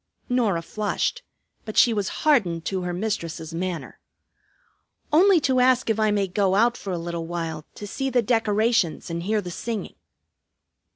Norah flushed; but she was hardened to her mistress's manner. "Only to ask if I may go out for a little while to see the decorations and hear the singing."